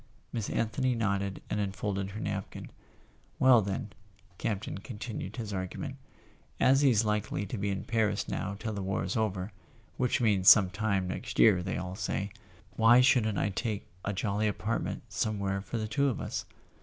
Miss Anthony nodded and unfolded her napkin. "Well, then," Campton continued his argument, "as he's likely to be in Paris now till the war is over— which means some time next year, they all say—why shouldn't I take a jolly apartment somewhere for the two of us